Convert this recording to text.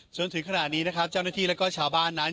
จนถึงขณะนี้นะครับเจ้าหน้าที่แล้วก็ชาวบ้านนั้น